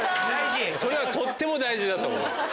それはとっても大事だと思う。